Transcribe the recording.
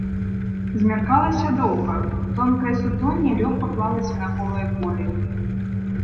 Змяркалася доўга, тонкае сутонне лёгка клалася на голае поле.